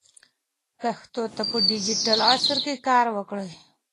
پښتو ته په ډیجیټل عصر کې کار وکړئ.